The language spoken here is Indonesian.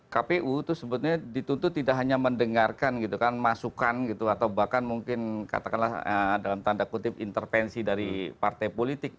kpu itu sebetulnya dituntut tidak hanya mendengarkan gitu kan masukan gitu atau bahkan mungkin katakanlah dalam tanda kutip intervensi dari partai politik